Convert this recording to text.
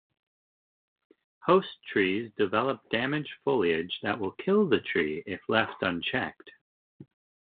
Host trees develop damaged foliage that will kill the tree if left unchecked.